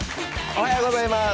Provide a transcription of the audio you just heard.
おはようございます。